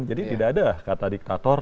jadi tidak ada kata diktator